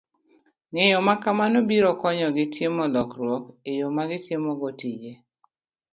Ng'eyo ma kamano biro konyogi timo lokruok e yo ma gitimogo tijegi